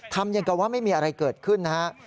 ทำอย่างกับว่าไม่มีอะไรเกิดขึ้นนะฮะ